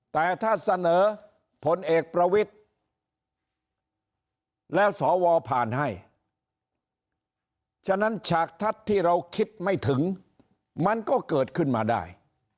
แต่ถ้าเสนอผลเอกประวิทธิ์แล้วสวผ่านให้ฉะนั้นฉากทัศน์ที่เราคิดไม่ถึงมันก็เกิดขึ้นมาได้